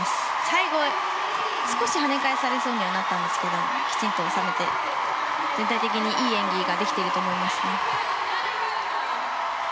最後、少しはね返されそうになったんですがきちんと収めて、全体的にいい演技ができていると思います。